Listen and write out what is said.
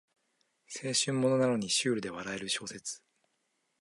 青春ものなのにシュールで笑える小説